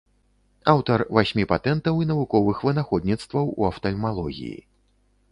Аўтар васьмі патэнтаў і навуковых вынаходніцтваў у афтальмалогіі.